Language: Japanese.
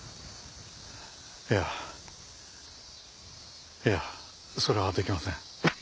いやいやそれはできません。